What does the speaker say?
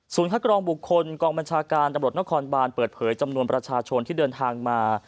คัดกรองบุคคลกองบัญชาการตำรวจนครบานเปิดเผยจำนวนประชาชนที่เดินทางมา